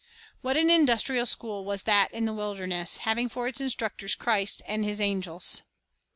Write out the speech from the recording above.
1 What an industrial school was that in the wilderness, having for its instructors Christ and His angels!